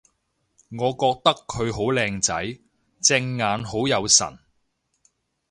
我覺得佢好靚仔！隻眼好有神